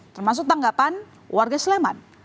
termasuk tanggapan warga sleman